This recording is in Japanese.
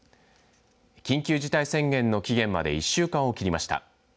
緊急事態宣言の期限まで１週間を切りました。